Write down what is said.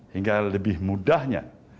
hingga lebih mudahnya